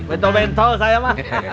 bentol bentol saya mah